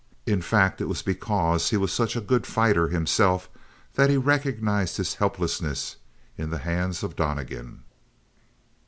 In fact it was because he was such a good fighter himself that he recognized his helplessness in the hands of Donnegan.